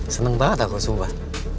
seneng banget aku sumpah